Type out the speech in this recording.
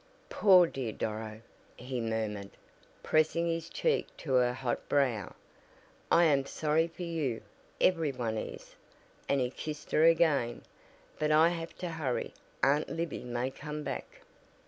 "Poor, dear Doro!" he murmured, pressing his cheek to her hot brow. "I am sorry for you every one is," and he kissed her again. "But I have to hurry. Aunt Libby may come back."